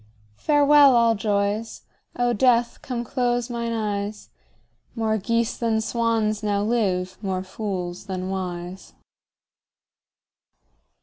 Farewell, all joys; O Death, come close mine eyes; More geese than swans now live, more fools than wise.